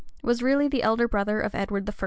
was really the elder brother of Edward I.